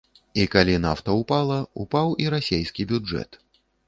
І калі нафта ўпала, упаў і расейскі бюджэт.